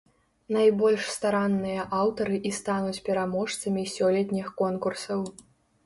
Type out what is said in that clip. Найбольш старанныя аўтары і стануць пераможцамі сёлетніх конкурсаў.